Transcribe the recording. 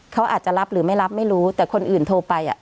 เขาอาจจะรับหรือไม่รับไม่รู้แต่คนอื่นโทรไปอ่ะ